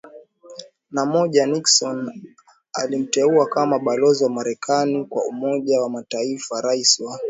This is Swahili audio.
na moja Nixon alimteua kama balozi wa Marekani kwa Umoja wa MataifaRais wa